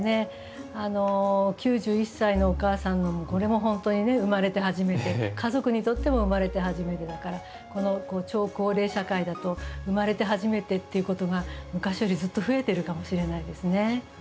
あの９１歳のお母さんのもこれも本当に生まれて初めて家族にとっても生まれて初めてだからこの超高齢社会だと生まれて初めてっていうことが昔よりずっと増えているかもしれないですね。